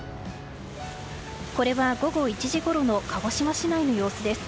これは午後１時ごろの鹿児島市内の様子です。